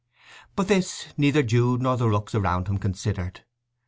But this neither Jude nor the rooks around him considered.